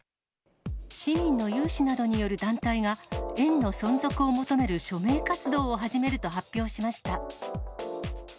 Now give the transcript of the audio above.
市民の有志などによる団体が、園の存続を求める署名活動を始めると発表しました。